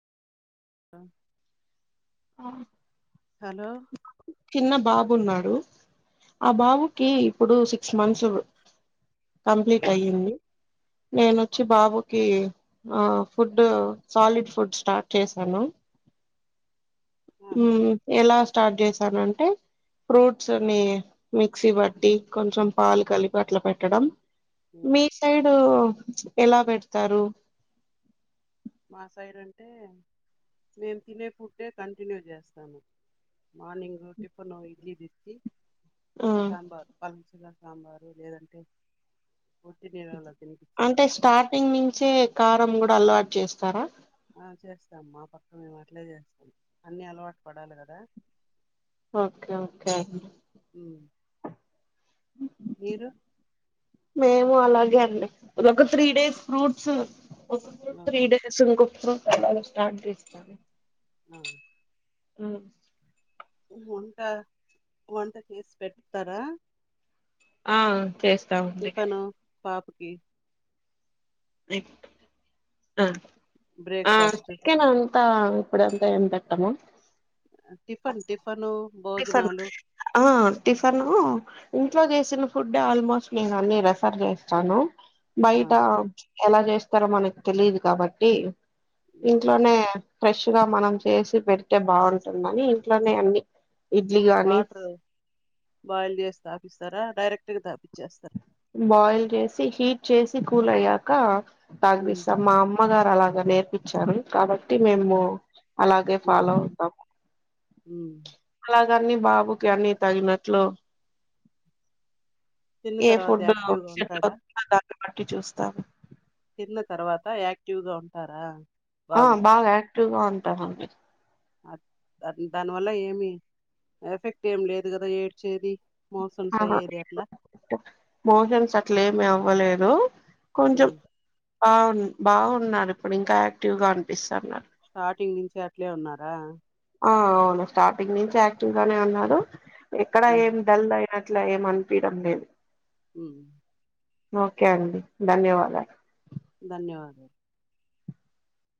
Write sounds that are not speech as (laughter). అ hello బాబు ఉన్నాడు ఆ బాబుకి ఇప్పుడు సిక్స్ మంత్సు కంప్లీట్ అయింది నేనొచ్చి బాబుకి ఆ ఫుడ్ సాలిడ్ ఫుడ్ స్టార్ట్ చేశాను ఆ మ్మ్ చెప్పండి ఎలా స్టార్ట్ చేశారూ టె ఫ్రూట్స్ని మిక్సీ బట్టి కొంచెం పాలు కలిపి అట్లా పెట్ ట్టడం ఉమ్. మీ సైడూ ఎలా పెడతారు మా సైడ్ అంటే నేను తినే ఫుడ్డే కంటిన్యూ చేస్తాను మార్నింగ్ టిఫిన్ ఇడ్లీ తెచ్చి ఆ సాంబార్ పలచగా సాంబారు లేదంటే ఒట్టి నీళ్ళలో అంటే తినిపించేది స్టార్టింగ్ నుంచే కారం కూడా అలవాటు చేస్తారా ఆ చేస్తాం మా పక్క మేము అట్లే చేస్తాం అన్నీ అలవాటు పడాలి కదా ఓకే ఓకే మ్మ్ మీరు మేము అలాగే అండి ఒక త్రీ డేస్ ఫ్రూట్స్ ఒక ఫ్రూట్ ఆ త్రీ డేస్ ఇంకో ఫ్రూట్ సలాడ్ స్టార్ట్ చేస్తాము ఆ మ్మ్ వంట వంట చేసి పెడతారా ఆ చేస్ ఇ పను పాప్ కే ఆ ఆ ఆ బ్రేక్ఫాస్ట్ చికేను అంత ఇప్పుడంతా ఏం పెట్టాము ఆ టిఫన్ టిఫను టిఫన్ భోజనాలు ఆ ఆ టిఫను ఇంట్లో చేసిన ఫుడ్ ఆల్మోస్ట్ నేను అన్ని రెఫర్ చేస్తాను ఆ బయట ఎలా చేస్తారో మనకు తెలిదు కాబట్టి ఇంట్లోనే ఫ్రెష్ గా మనం చేసి పెడితే బాగుంటుందని ఇంట్లోనే అన్ని ఇడ్లీ గాని వాటర్ బాయిల్ చేసి తాపీస్తారా డైరెక్ట్ గా తాపిచేస్తారా బాయిల్ చేసి హీట్ చేసి కూల్ అయ్యాక ఉమ్ తాగదీస్తామ్ మామ్ అమ్మగారు అలాగా నేర్పిచ్చారు కాబట్టి ఉమ్ మేము అలాగే ఉమ్ ఫాలో అవుతాము ఉమ్. అలాగన్ని బాబుకి అన్ని తగినట్లు తిన్న ఏ తర్వాత ఫుడ్డు యాక్టివ్ గా ఉంటాడా (unintelligible) పట్టి చూస్తాము తిన్న తర్వాత యాక్టివ్ గా ఉంటారా ఆ బాబు బాగ యా క్టీవ్ గా ఉంటాడండి అ అన్ దానివల్ల ఏమి ఎఫెక్ట్ ఏమి లేదు కదా ఏడ్చేది మోషన్స్ ఆహా అయ్యేది లేదు అట్లా మోషన్స్ అట్లేమి అవ్వలే దు కొంచం ఉమ్. బావు బాగున్నారు ఇప్పుడు ఇంకా యాక్టివ్ గా అనిపిస్తన్నారు స్టార్టింగ్ నుంచి అట్లే ఉన్నారా ఆ అవును స్టార్టింగ్ నుంచి యాక్టివ్ గానే ఉన్నారు ఎక్కడ ఏం డల్ అట్లా ఏమనిపయడం లేదు హ్మ్ ఓకే అండి ధన్యవాదాలు ధన్యవాదాలు